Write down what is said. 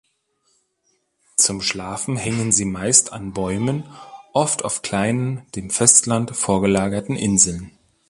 Zum Schlafen hängen sie meist an Bäumen, oft auf kleinen, dem Festland vorgelagerten Inseln.